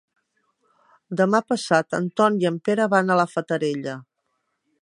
Demà passat en Ton i en Pere van a la Fatarella.